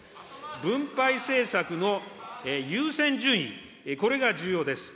分配政策の優先順位、これが重要です。